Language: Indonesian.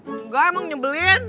enggak emang nyebelin